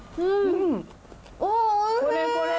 これこれ！